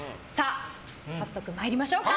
早速参りましょうか。